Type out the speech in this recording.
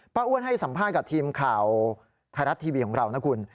อ้วนให้สัมภาษณ์กับทีมข่าวไทยรัฐทีวีของเรานะคุณ